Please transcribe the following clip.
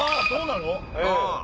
そうなの？